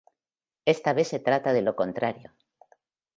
Esta vez se trata de lo contrario".